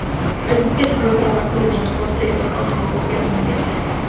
El buque sirvió como barco de transporte de tropas en las dos guerras mundiales.